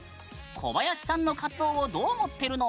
小林さんの活動をどう思ってるの？